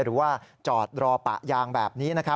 หรือว่าจอดรอปะยางแบบนี้